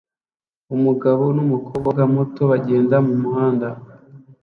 Umugabo n'umukobwa muto bagenda mumuhanda